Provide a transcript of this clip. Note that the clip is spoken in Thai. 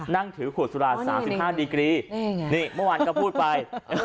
นั่งถือขวดสุรา๓๕ดีกรีนี่เมื่อวานก็พูดไป